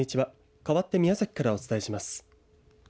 かわって宮崎からお伝えします。